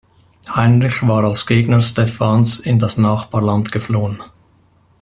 Heinrich war als Gegner Stephans in das Nachbarland geflohen.